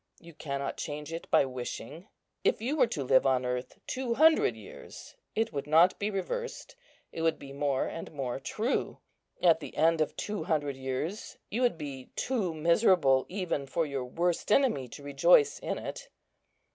You cannot change it by wishing; if you were to live on earth two hundred years, it would not be reversed, it would be more and more true. At the end of two hundred years you would be too miserable even for your worst enemy to rejoice in it."